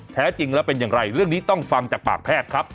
แท้จริงแล้วเป็นอย่างไรเรื่องนี้ต้องฟังจากปากแพทย์ครับ